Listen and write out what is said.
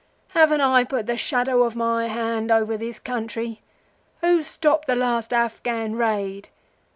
Haven't I put the shadow of my hand over this country? Who stopped the last Afghan raid?